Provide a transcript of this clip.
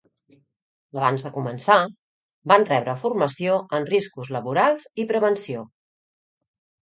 Abans de començar, van rebre formació en riscos laborals i prevenció